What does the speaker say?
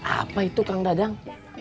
apa itu kang dadang